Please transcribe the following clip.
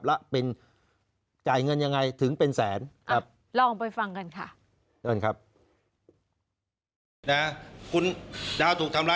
และเป็นจ่ายเงินยังไงถึงเป็นแสนครับ